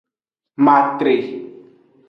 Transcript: Matre.